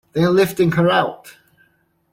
They are lifting her out!